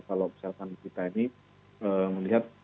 kalau misalkan kita ini melihat